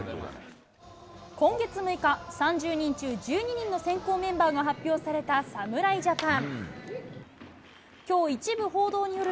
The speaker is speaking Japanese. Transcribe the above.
今月６日、３０人中１２人の選考メンバーが発表された侍ジャパン。